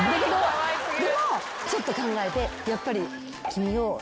でもちょっと考えて「やっぱり」